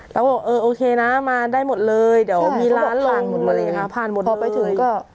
แล้วบอกเออโอเคน่ะมาได้หมดเลยเดี๋ยวมีร้านลงพันหมดเลยพอไปถึงก็